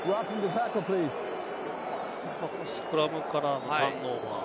スクラムからのターンオーバー。